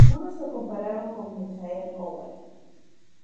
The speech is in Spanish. Algunos lo compararon con Michael Owen.